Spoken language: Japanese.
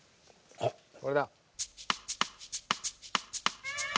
これだ。